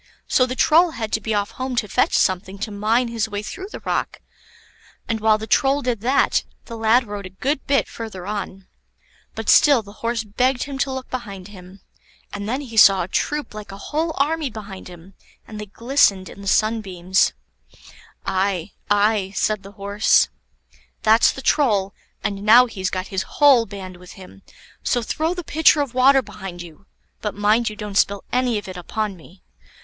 So the Troll had to be off home to fetch something to mine his way through the rock; and while the Troll did that, the lad rode a good bit further on. But still the Horse begged him to look behind him, and then he saw a troop like a whole army behind him, and they glistened in the sunbeams. [Illustration: But still the Horse begged him to look behind him.] "Aye, aye," said the Horse, "that's the Troll, and now he's got his whole band with him, so throw the pitcher of water behind you, but mind you don't spill any of it upon me."